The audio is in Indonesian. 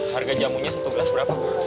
harga jamunya sebelas berapa bu